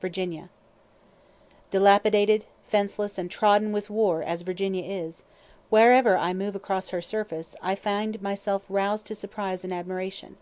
VIRGINIA Dilapidated, fenceless, and trodden with war as Virginia is, wherever I move across her surface, I find myself rous'd to surprise and admiration.